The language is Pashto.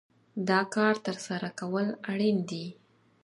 دا کار ترسره کول اړين دي.